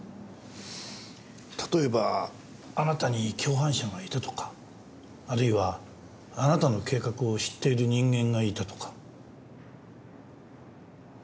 例えばあなたに共犯者がいたとかあるいはあなたの計画を知っている人間がいたとか。